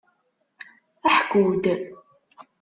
Ḥku-d!